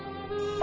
あ。